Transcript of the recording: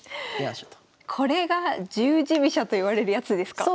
これが十字飛車といわれるやつですか？